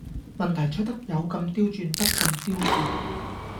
問題出得有咁刁鑽得咁刁鑽